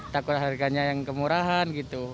takut harganya yang kemurahan gitu